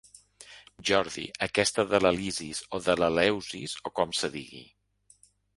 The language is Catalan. Jordi aquesta de l'Elisis o l'Eleusis o com se digui?